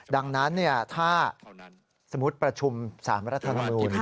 ดังนั้นถ้าสมมุติประชุม๓รัฐธรรมนูล